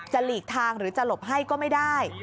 หลีกทางหรือจะหลบให้ก็ไม่ได้